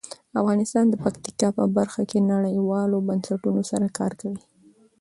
افغانستان د پکتیکا په برخه کې نړیوالو بنسټونو سره کار کوي.